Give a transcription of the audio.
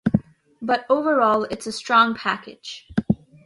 But overall, it's a strong package.